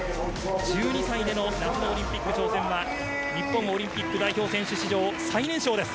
１２歳での夏のオリンピック挑戦は日本オリンピック代表選手史上最年少です。